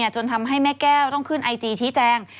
จนทำให้แม่แก้วต้องขึ้นไอจีชี้แจง